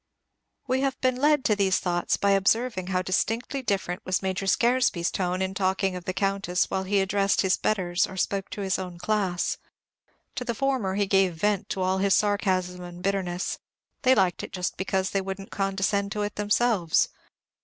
We have been led to these thoughts by observing how distinctly different was Major Scaresby's tone in talking of the Countess when he addressed his betters or spoke in his own class. To the former he gave vent to all his sarcasm and bitterness; they liked it just because they would n't condescend to it themselves.